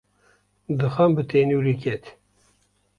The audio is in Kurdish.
Dixan bi tenûrê ket.